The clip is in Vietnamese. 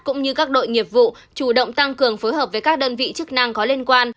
cũng như các đội nghiệp vụ chủ động tăng cường phối hợp với các đơn vị chức năng có liên quan